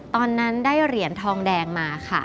ตอนนั้นได้เหรียญทองแดงมาค่ะ